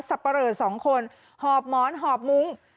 สับปะเริ่มสองคนหอบหมอนหอบมุ้ง